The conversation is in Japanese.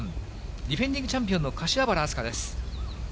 ディフェンディングチャンピオンの柏原明日架です。